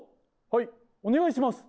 はいお願いします。